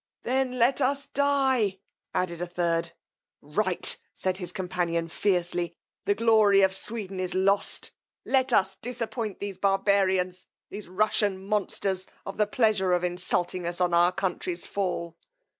Then let us dye, added a third. Right, said his companion feircely; the glory of Sweden is lost! Let us disappoint these barbarians, these Russian monsters, of the pleasure of insulting us on our country's fall.